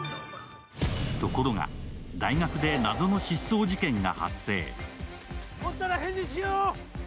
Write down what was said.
ところが大学で謎の失踪事件が発生。